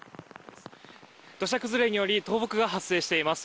土砂崩れにより倒木が発生しています。